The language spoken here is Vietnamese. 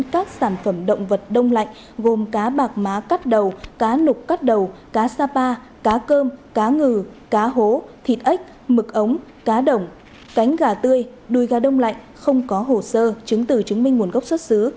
các sản phẩm động vật đông lạnh gồm cá bạc má cắt đầu cá nục cắt đầu cá sapa cá cơm cá ngừ cá hố thịt mực ống cá đồng cánh gà tươi đùi gà đông lạnh không có hồ sơ chứng từ chứng minh nguồn gốc xuất xứ